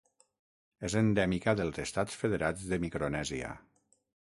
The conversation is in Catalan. És endèmica dels Estats Federats de Micronèsia.